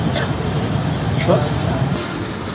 thì chúng tôi cũng thích hành động